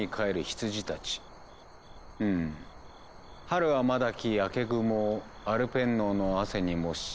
「春はまだき朱雲をアルペン農の汗に燃し」。